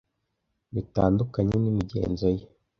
bitandukanye n'imigenzo ye